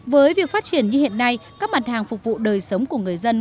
với việc phát triển như hiện nay các mặt hàng phục vụ đời sống của người dân